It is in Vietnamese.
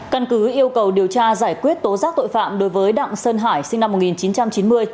căn cứ yêu cầu điều tra giải quyết tố giác tội phạm đối với đặng sơn hải sinh năm một nghìn chín trăm chín mươi